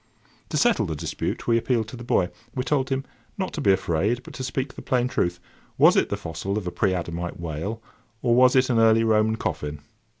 To settle the dispute, we appealed to the boy. We told him not to be afraid, but to speak the plain truth: Was it the fossil of a pre Adamite whale, or was it an early Roman coffin?